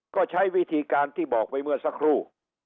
ก็ใช้วิธีการที่บอกไปเมื่อสักครู่